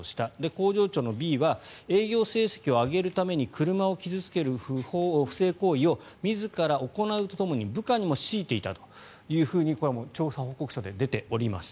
工場長のＢは営業成績を上げるために車を傷付ける不正行為を自ら行うとともに部下にも強いていたとこれは調査報告書で出ております。